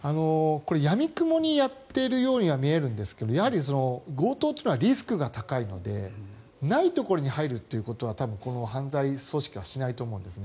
やみくもにやっているようには見えるんですがやはり強盗というのはリスクが高いのでないところに入るということはこの犯罪組織はしないと思うんですね。